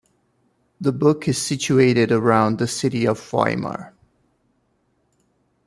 The book is situated around the city of Weimar.